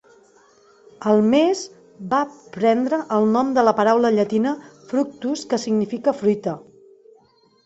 El mes va prendre el nom de la paraula llatina "fructus", que significa "fruita".